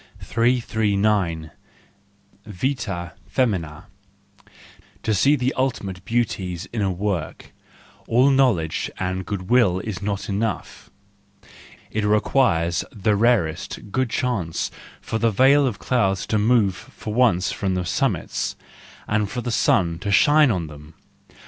339 Vita fenzma, —To seethe ultimate beauties in a work—all knowledge and good will is not enough; SANCTUS JANUARIUS 269 it requires the rarest, good chance for the veil of clouds to move for once from the summits, and for the sun to shine on them.